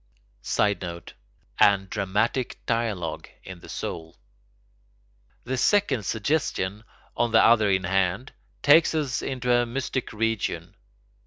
[Sidenote: and dramatic dialogue in the soul.] The second suggestion, on the other in hand, takes us into a mystic region.